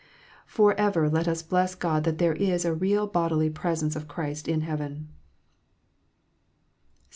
For ever let us bless God that there is a real bodily presence of Christ in heaven.